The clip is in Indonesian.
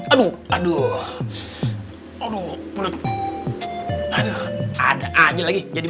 aku gak nyangka loh kalau kamu itu kayak gini kelakuannya ya